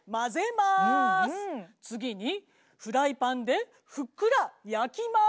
次にフライパンでふっくら焼きます！